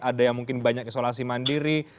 ada yang mungkin banyak isolasi mandiri